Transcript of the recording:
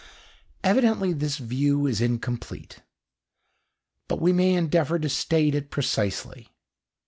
Evidently this view is incomplete, but we may endeavour to state it precisely.